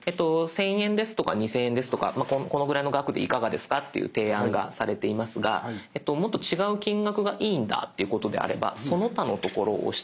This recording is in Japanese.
１，０００円ですとか２，０００円ですとかこのぐらいの額でいかがですかっていう提案がされていますがもっと違う金額がいいんだっていうことであれば「その他」のところを押して頂くと。